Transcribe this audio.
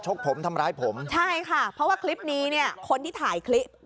กผมทำร้ายผมใช่ค่ะเพราะว่าคลิปนี้เนี่ยคนที่ถ่ายคลิป